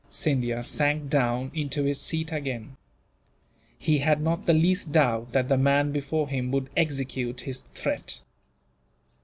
Scindia sank down into his seat again. He had not the least doubt that the man before him would execute his threat.